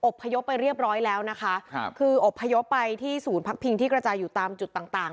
พยพไปเรียบร้อยแล้วนะคะครับคืออบพยพไปที่ศูนย์พักพิงที่กระจายอยู่ตามจุดต่างต่าง